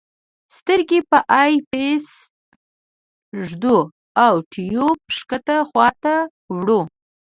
سترګې په آی پیس ږدو او ټیوب ښکته خواته وړو.